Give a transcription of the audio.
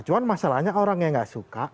cuman masalahnya orang yang tidak suka